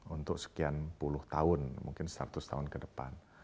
untuk sekian puluh tahun mungkin seratus tahun ke depan